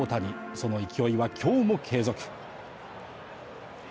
その勢いは今日も継続。